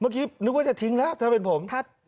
เมื่อกี้นึกว่าจะทิ้งแล้วถ้าเป็นผม